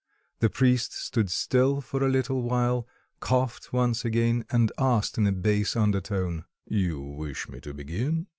The priest stood still for a little while, coughed once again, and asked in a bass undertone "You wish me to begin?"